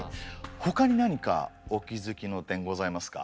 ほかに何かお気付きの点ございますか？